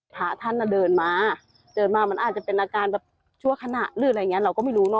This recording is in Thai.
พระท่านเดินมาเดินมามันอาจจะเป็นอาการแบบชั่วขณะหรืออะไรอย่างเงี้เราก็ไม่รู้เนอ